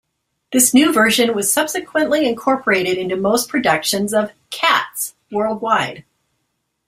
This new version was subsequently incorporated into most productions of "Cats" worldwide.